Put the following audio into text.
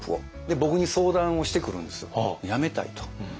僕に相談をしてくるんですよ辞めたいと。